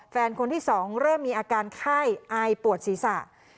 คนที่๒เริ่มมีอาการไข้อายปวดศีรษะ